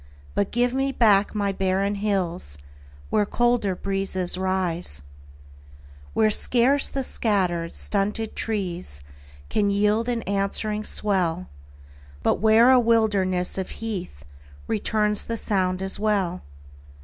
But give me back my barren hills Where colder breezes rise; Where scarce the scattered, stunted trees Can yield an answering swell, But where a wilderness of heath Returns the sound as well.